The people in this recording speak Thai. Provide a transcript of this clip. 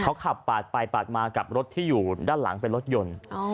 เขาขับปาดไปปาดมากับรถที่อยู่ด้านหลังเป็นรถยนต์